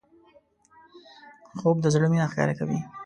خوب د زړه مینه ښکاره کوي